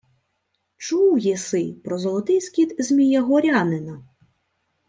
— Чув єси про золотий скіт Змія Горянина?